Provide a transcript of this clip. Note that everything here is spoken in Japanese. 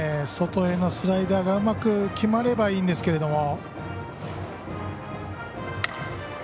外へのスライダーがうまく決まればいいんですけど。